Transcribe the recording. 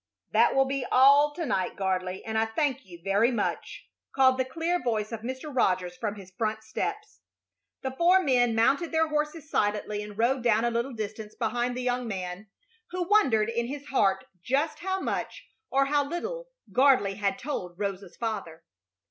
"That will be all to night, Gardley, and I thank you very much," called the clear voice of Mr. Rogers from his front steps. The four men mounted their horses silently and rode down a little distance behind the young man, who wondered in his heart just how much or how little Gardley had told Rosa's father.